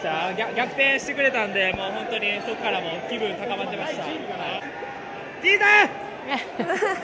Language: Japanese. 逆転してくれたので本当に、気分高まってました。